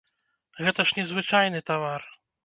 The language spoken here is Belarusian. Гэта ж не звычайны тавар.